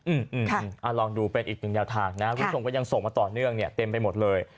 อืมอ่าลองดูเป็นอีกหนึ่งแนวทางนะคุณผู้ชมก็ยังส่งมาต่อเนื่องเนี่ยเต็มไปหมดเลย